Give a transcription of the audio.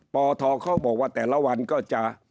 ปทเขาบอกว่าแต่ละวันก็จะ